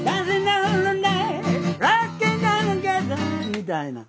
みたいな。